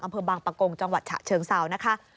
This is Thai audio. อำเภอบางปะโกงจังหวัดฉะเชิงเซานะคะ